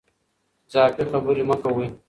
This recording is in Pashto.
اضافي خبرې مه کوئ.